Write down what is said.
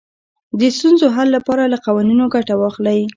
د ستونزو حل لپاره له قوانینو ګټه واخلئ.